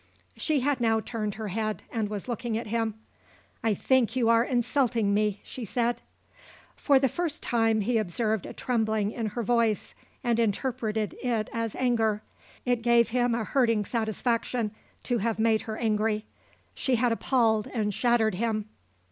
She had now turned her head and was looking at him. "I think you are insulting me," she said. For the first time he observed a trembling in her voice and interpreted it as anger. It gave him a hurting satisfaction to have made her angry. She had appalled and shattered him.